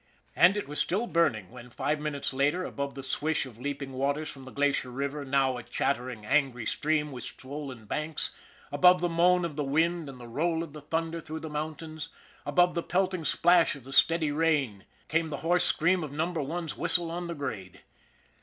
And it was still burning when, five minutes later, above the swish of leaping waters from the Glacier River now a chattering, angry stream with swollen banks, above the moan of the wind and the roll of the thunder through the mountains, above the pelting splash of the steady rain, came the hoarse scream of Number One's whistle on the grade.